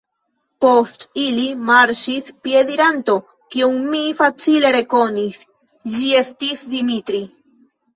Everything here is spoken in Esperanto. Post ili marŝis piediranto, kiun mi facile rekonis: ĝi estis Dimitri.